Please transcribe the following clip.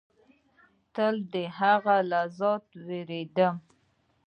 تل د هغه له ذاته وېرېدم.